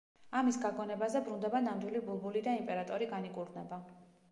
ამის გაგონებაზე ბრუნდება ნამდვილი ბულბული და იმპერატორი განიკურნება.